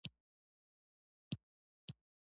د احمد بس روز او ګوز سره چلېږي.